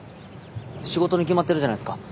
仕事に決まってるじゃないですか。